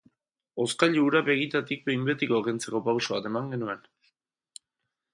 Hozkailu hura begitatik behin betiko kentzeko pauso bat eman genuen.